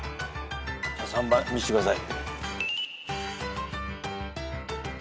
じゃあ３番見してください。